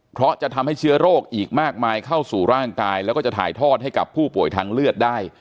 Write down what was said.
เพราะจะทำให้เชื้อโรคอีกมากมายเข้าสู่ร่างกายแล้วก็จะถ่ายทอดให้กับผู้ป่วยทางเลือดได้